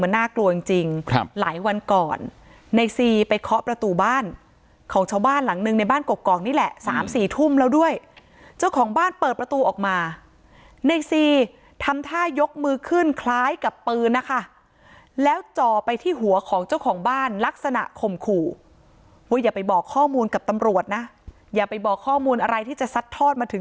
น่ากลัวจริงจริงครับหลายวันก่อนในซีไปเคาะประตูบ้านของชาวบ้านหลังหนึ่งในบ้านกกอกนี่แหละสามสี่ทุ่มแล้วด้วยเจ้าของบ้านเปิดประตูออกมาในซีทำท่ายกมือขึ้นคล้ายกับปืนนะคะแล้วจ่อไปที่หัวของเจ้าของบ้านลักษณะข่มขู่ว่าอย่าไปบอกข้อมูลกับตำรวจนะอย่าไปบอกข้อมูลอะไรที่จะซัดทอดมาถึง